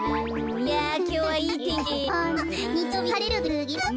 いやきょうはいいてんきだね。